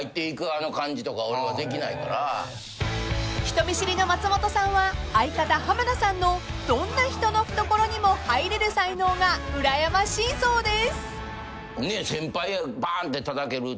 ［人見知りの松本さんは相方浜田さんのどんな人の懐にも入れる才能がうらやましいそうです］